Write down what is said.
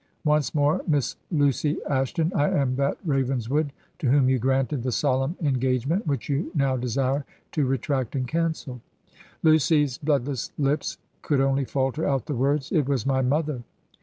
Once more. Miss Lucy Ashton, I am that Ravenswood to whom you granted the solemn en gagement which you now desire to retract and caned.' Lucy's bloodless lips could only falter out the words, 'It was my mother.'